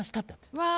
うわ。